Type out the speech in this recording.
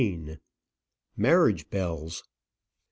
MARRIAGE BELLS.